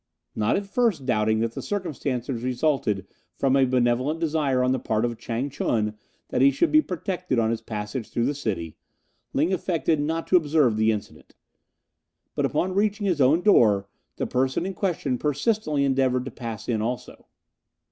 Not at first doubting that the circumstance resulted from a benevolent desire on the part of Chang ch'un that he should be protected on his passage through the city, Ling affected not to observe the incident; but upon reaching his own door the person in question persistently endeavoured to pass in also.